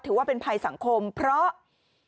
ถือว่าเป็นภัยสังคมเพราะ